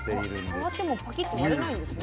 あ触ってもパキッと割れないんですね。